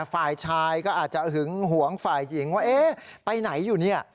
ฝ่ายชายก็อาจจะหึงหวงฝ่ายหญิงว่าเอ๊ะไปไหนอยู่เนี่ย